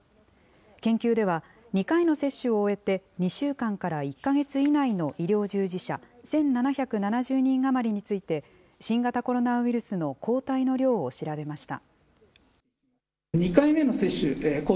研究では、２回の接種を終えて２週間から１か月以内の医療従事者１７７０人余りについて、新型コロナウイルスの抗体の量を調べました。